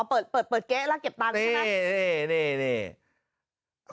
เปิดเปิดเก๊ะแล้วเก็บตังค์ใช่ไหม